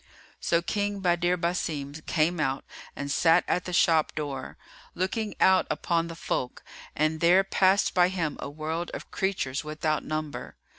So King Badr Basim came out and sat at the shop door, looking out upon the folk; and there passed by him a world of creatures without number.